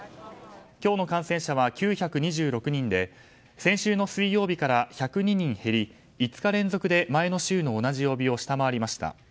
今日の感染者は９２６人で先週の水曜日から１０２人減り５日連続で前の週の同じ曜日を下回りました。